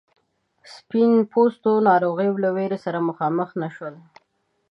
سپین پوستو ناروغیو له ویرې سره مخامخ نه شول.